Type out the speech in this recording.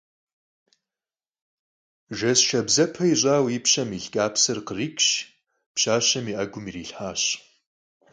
Жэз шабзэпэ ищӀауэ и пщэм илъ кӀапсэр къричщ, пщащэм и Ӏэгум ирилъхьащ.